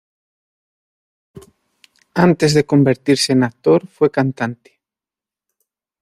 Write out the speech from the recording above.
Antes de convertirse en actor fue cantante.